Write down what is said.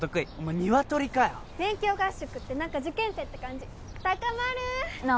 ニワトリかよ勉強合宿って何か受験生って感じ高まる菜緒